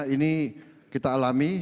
ini kita alami